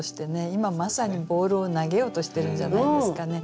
今まさにボールを投げようとしてるんじゃないですかね。